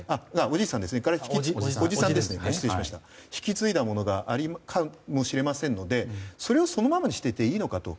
彼から引き継いだものがあるかもしれませんのでそれをそのままにしていていいのかと。